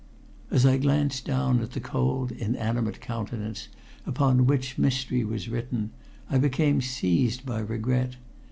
As I glanced down at the cold, inanimate countenance upon which mystery was written, I became seized by regret.